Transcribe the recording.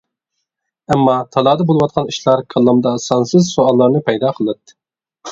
ئەمما تالادا بولۇۋاتقان ئىشلار كاللامدا سانسىز سوئاللارنى پەيدا قىلاتتى.